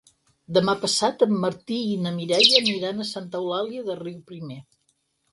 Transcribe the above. Demà passat en Martí i na Mireia aniran a Santa Eulàlia de Riuprimer.